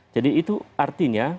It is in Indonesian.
jadi itu artinya